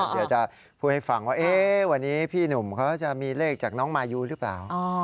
เดี๋ยวจะพูดให้ฟังว่าวันนี้พี่หนุ่มเขาจะมีเลขจากน้องมายูหรือเปล่า